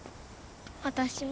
私も？